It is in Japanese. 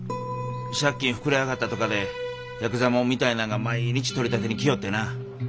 借金膨れ上がったとかでヤクザ者みたいなんが毎日取り立てに来よってな。